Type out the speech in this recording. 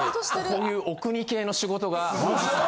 こういうお国系の仕事が。